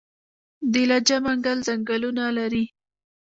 د لجه منګل ځنګلونه لري